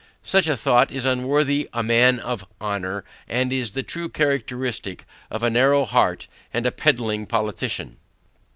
Such a thought is unworthy a man of honor, and is the true characteristic of a narrow heart and a pedling politician.